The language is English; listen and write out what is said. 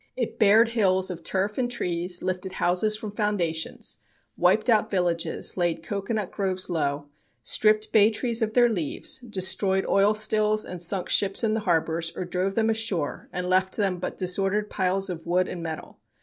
It bared hills of turf and trees, lifted houses from foundations, wiped out villages, laid cocoanut groves low, stripped bay trees of their leaves, destroyed oil stills and sunk ships in the harbors, or drove them ashore and left them but disordered piles of wood and metal.